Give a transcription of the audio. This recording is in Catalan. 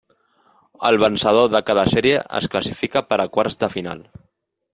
El vencedor de cada sèrie es classifica per a quarts de final.